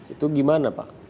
itu gimana pak